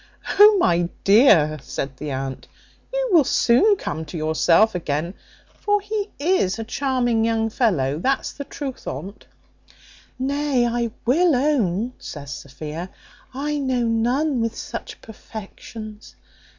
"O, my dear," said the aunt, "you will soon come to yourself again; for he is a charming young fellow, that's the truth on't." "Nay, I will own," says Sophia, "I know none with such perfections.